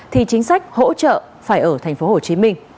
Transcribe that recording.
thì chính sách hỗ trợ phải ở tp hcm